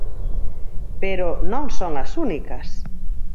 Pero non son as únicas.